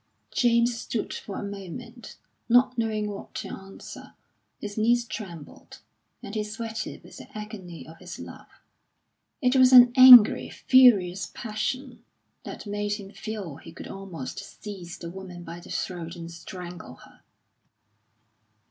James stood for a moment, not knowing what to answer; his knees trembled, and he sweated with the agony of his love. It was an angry, furious passion, that made him feel he could almost seize the woman by the throat and strangle her.